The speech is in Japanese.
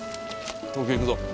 東京行くぞ。